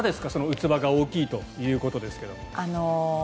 器が大きいということですけど。